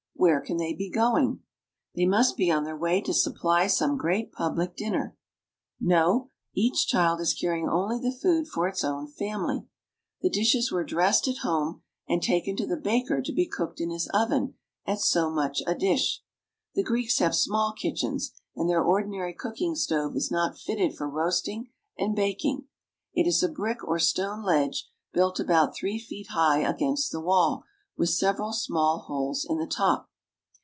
Where can they be going ? They must be on their way to 388 GREECE. supply some great public dinner. No ; each child is carry ing only the food for its own family. The dishes were dressed at home and taken to the baker to be cooked in his oven at so much a dish. The Greeks have small kitchens, and their ordinary cooking stove is not fitted for roasting and baking. It is a brick or stone ledge built about three feet high against the wall, with several small holes in the top.